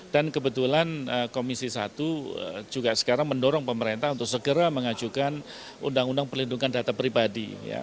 dan kebetulan komisi satu juga sekarang mendorong pemerintah untuk segera mengajukan undang undang perlindungan data pribadi